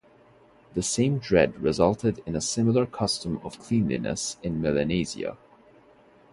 The same dread resulted in a similar custom of cleanliness in Melanesia.